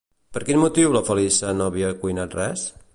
Per quin motiu la Feliça no havia cuinat res?